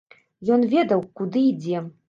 Ён ведаў, куды ідзе!